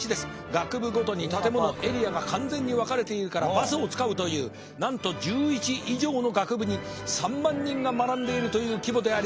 学部ごとに建物エリアが完全に分かれているからバスを使うというなんと１１以上の学部に３万人が学んでいるという規模であります。